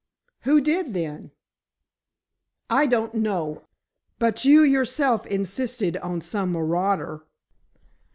"Who did, then?" "I don't know; but you yourself insisted on some marauder."